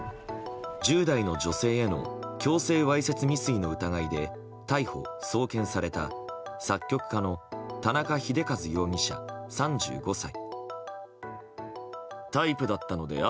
１０代の女性への強制わいせつ未遂の疑いで逮捕・送検された作曲家の田中秀和容疑者、３５歳。